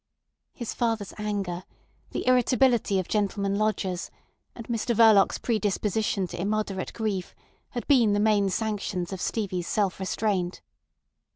His father's anger, the irritability of gentlemen lodgers, and Mr Verloc's predisposition to immoderate grief, had been the main sanctions of Stevie's self restraint.